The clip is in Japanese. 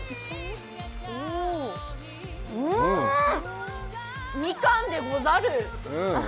うん、みかんでござる。